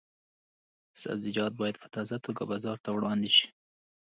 سبزیجات باید په تازه توګه بازار ته وړاندې شي.